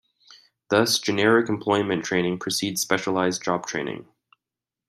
Thus, generic employment training precedes specialised job training.